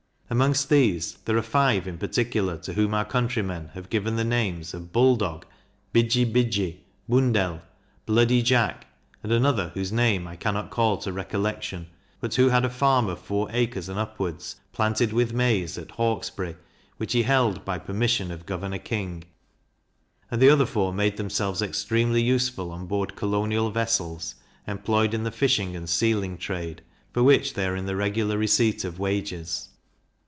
Amongst these there are five in particular, to whom our countrymen have given the names of Bull Dog, Bidgy Bidgy, Bundell, Bloody Jack, and another whose name I cannot call to recollection, but who had a farm of four acres and upwards, planted with maize, at Hawkesbury, which he held by permission of Governor King; and the other four made themselves extremely useful on board colonial vessels employed in the fishing and sealing trade, for which they are in the regular receipt of wages.